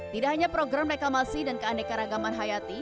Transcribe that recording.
tidak hanya program reklamasi dan keaneka ragaman hayati